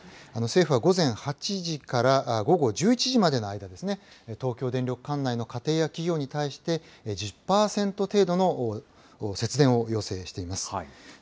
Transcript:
政府は午前８時から午後１１時までの間、東京電力管内の家庭や企業に対して、１０％程度の節電を要請しています。